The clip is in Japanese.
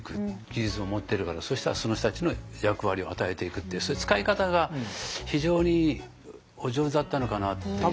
技術も持ってるからそしたらその人たちの役割を与えていくってその使い方が非常にお上手だったのかなっていう。